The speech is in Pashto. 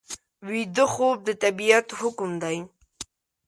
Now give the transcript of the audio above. ویده خوب د طبیعت حکم دی